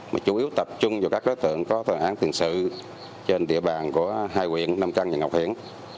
mà chủ yếu tập trung vào các đối tượng có thời án tiền sự trên địa bàn của hai quyện nam căng và ngọc hiển